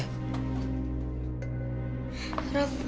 rafa istirahat dulu ya